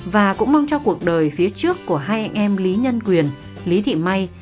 và cũng mong cho cuộc đời phía trước của hai anh em lý nhân quyền lý thị may